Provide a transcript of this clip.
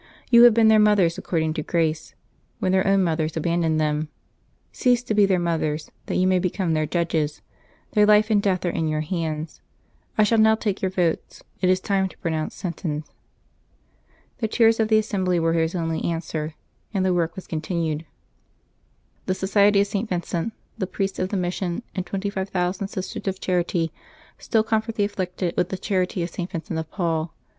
You have been their mothers according to grace, w^hen their own mothers abandoned them. Cease to be their mothers, that you may become their judges ; their life and death are in your hands. I shall now take your votes: it is time to pronounce sentence." The tears of the assembly were his only answer, and the work was continued. The Society of St. Vincent, the Priests of the Mission, and 25,000 Sisters of Charity still comfort the afflicted with the charity of St. Vincent of Paul.